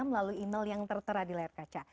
melalui email yang tertera di layar kaca